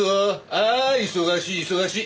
ああ忙しい忙しい。